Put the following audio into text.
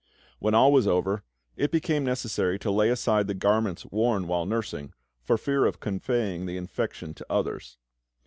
When all was over, it became necessary to lay aside the garments worn while nursing, for fear of conveying the infection to others.